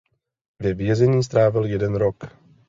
Ve vězení strávil jeden rok.